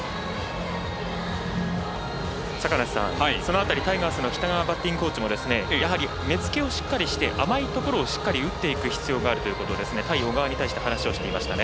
その辺り、タイガースの北川バッティングコーチもやはり目付けをしっかりして甘いところをしっかり打っていく必要があるということを対小川に対して話をしていました。